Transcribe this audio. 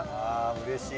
うれしい。